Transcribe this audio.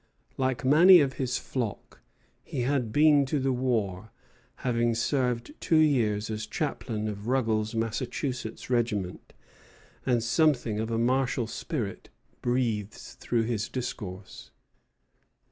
Like many of his flock, he had been to the war, having served two years as chaplain of Ruggles's Massachusetts regiment; and something of a martial spirit breathes through his discourse.